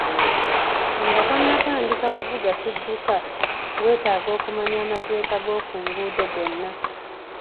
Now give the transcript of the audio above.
Nga tonnatandika kuvuga kidduka, weetaaga okumanya amateeka g'oku nguudo gonna.